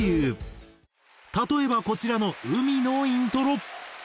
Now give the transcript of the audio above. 例えばこちらの『海』のイントロ。